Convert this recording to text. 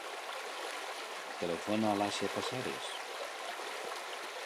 Telefona a l'Asia Casares.